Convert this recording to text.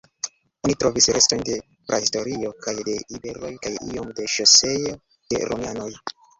Oni trovis restojn de prahistorio kaj de iberoj kaj iom de ŝoseo de romianoj.